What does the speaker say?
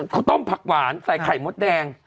ข้าวต้มผักหวานใส่ไข่มดแดง